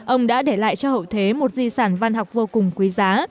ông đã để lại cho hậu thế một di sản văn học vô cùng quý giá